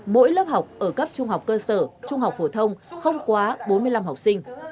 mỗi lớp học ở cấp trung học cơ sở trung học phổ thông không quá bốn mươi năm học sinh